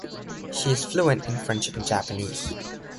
She is fluent in French and Japanese.